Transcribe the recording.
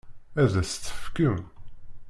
Ad as-tt-tefkem?